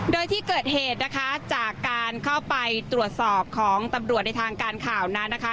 โดยที่เกิดเหตุนะคะจากการเข้าไปตรวจสอบของตำรวจในทางการข่าวนั้นนะคะ